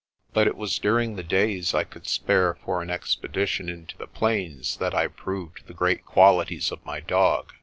But it was during the days I could spare for an expedition into the plains that I proved the great qualities of my dog.